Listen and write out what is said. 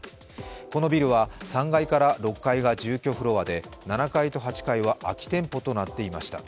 このビルは３階から６階が住居フロアで７階と８階は空き店舗となっていました。